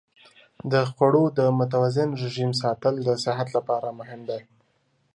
د خوړو د متوازن رژیم ساتل د صحت لپاره مهم دی.